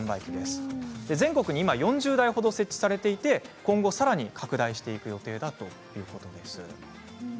全国に今４０台程設置されていて今後さらに拡大していく予定だということです。